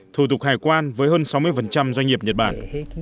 thủ tục hải quan với hơn sáu mươi doanh nghiệp nhật bản